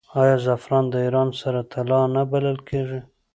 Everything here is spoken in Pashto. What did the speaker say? آیا زعفران د ایران سره طلا نه بلل کیږي؟